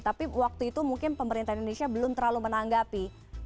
tapi waktu itu mungkin pemerintah indonesia belum terlalu menanggapi